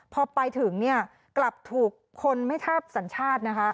พอไปถึงเนี่ยกลับถูกคนไม่ทราบสัญชาตินะคะ